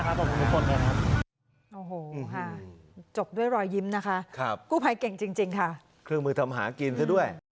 เครื่องมือทำหากินซะด้วย